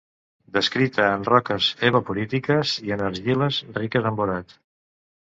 Descrita en roques evaporítiques i en argiles riques en borat.